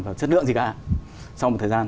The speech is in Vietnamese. và chất lượng gì cả sau một thời gian